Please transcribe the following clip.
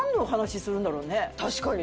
確かに！